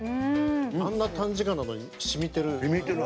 あんな短時間なのにしみてる。